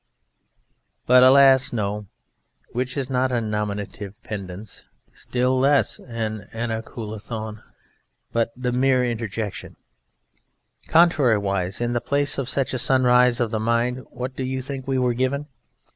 But alas! No. (which is not a nominativus pendens, still less an anacoluthon but a mere interjection). Contrariwise, in the place of such a sunrise of the mind, what do you think we were given?